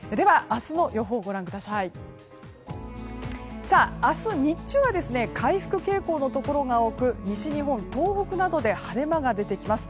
明日日中は回復傾向のところが多く西日本、東北などで晴れ間が出てきます。